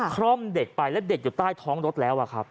คล่อมเด็กไปแล้วเด็กอยู่ใต้ท้องรถแล้วครับ